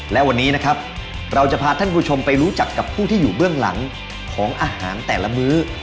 และวันนี้นะครับเราจะพาท่านผู้ชมไปรู้จักกับผู้ที่อยู่เบื้องหลังของอาหารแต่ละมื้อ